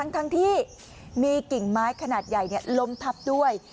ทั้งที่มีกิ่งไม้ขนาดใหญ่ล้มทับด้วย